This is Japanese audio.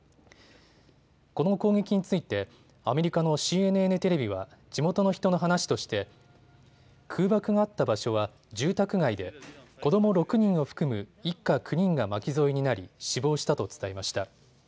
この攻撃についてアメリカのＣＮＮテレビは地元の人の話として空爆があった場所は住宅街で子ども６人を含む一家９人が巻き添えになり死亡したと伝えました。